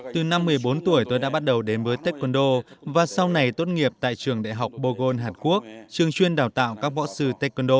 từ năm một mươi bốn tuổi tôi đã bắt đầu đến với taekwondo và sau này tốt nghiệp tại trường đại học bogon hàn quốc trường chuyên đào tạo các võ sư taekwondo